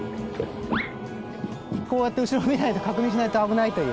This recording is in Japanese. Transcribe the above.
こうやって後ろを見ないと確認しないと危ないという。